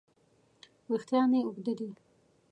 وېښتیان یې اوږده دي.